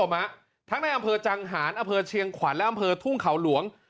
ทั้งในอำเภอจังหารอเภอเชียงขวัญและอำเภอทุ่งเขาหลวง